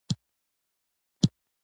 خور د کور ښکلا ده.